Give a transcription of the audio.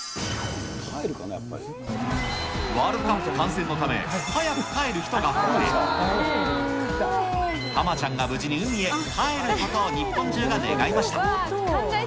ワールドカップ観戦のため、早く帰る人が増え、タマちゃんが無事に海に帰ることを日本中が願いました。